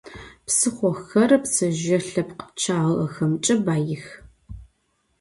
Psıxhoxer ptsezjıê lhepkh pççağexemç'e baix.